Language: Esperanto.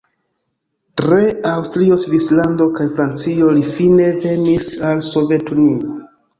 Tra Aŭstrio, Svislando kaj Francio li fine venis al Sovetunio.